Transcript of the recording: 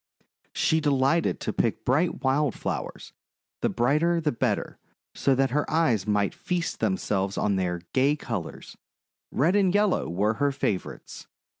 She delighted to pick bright wild flowers — the brighter the better — so that her eyes might feast themselves on their gay colours. Red and yellow were her favourites.